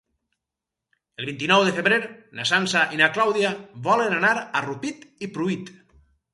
El vint-i-nou de febrer na Sança i na Clàudia volen anar a Rupit i Pruit.